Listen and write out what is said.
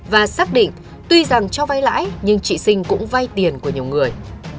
và xác định tuy rằng cho vay lãi nhưng chị sinh cũng vay tiền của nhiều người